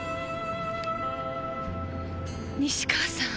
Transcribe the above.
西川さん。